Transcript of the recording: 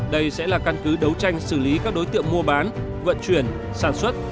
đây sẽ là căn cứ đấu tranh xử lý các đối tượng mua bán vận chuyển sản xuất